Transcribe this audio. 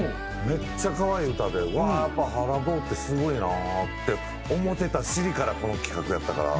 めっちゃ可愛い歌でうわーやっぱ原坊ってすごいなって思うてた尻からこの企画やったから。